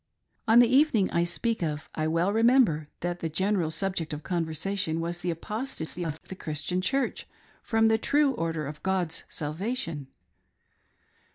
On the evening I speak of, I well remember that the general subject of conversation was the apostasy of the Christian Church from the true order of God's salvation.